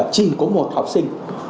chỉ có một học sinh